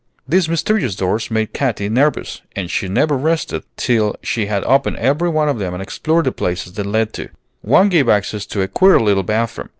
These mysterious doors made Katy nervous, and she never rested till she had opened every one of them and explored the places they led to. One gave access to a queer little bathroom.